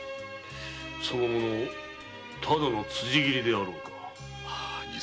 その者ただの辻斬りであろうか？